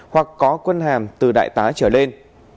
hoặc có quân hàm từ đại tá trở lên